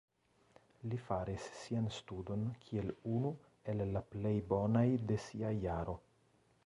Li faris sian studon kiel unu el la plej bonaj de sia jaro.